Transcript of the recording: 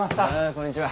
こんにちは。